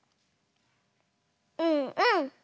うんうん。